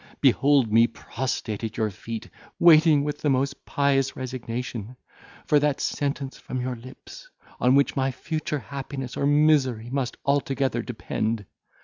behold me prostrate at your feet, waiting with the most pious resignation, for that sentence from your lips, on which my future happiness or misery must altogether depend.